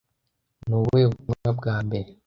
Ni ubuhe butumwa bwa mbere